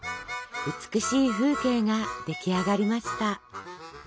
美しい風景が出来上がりました。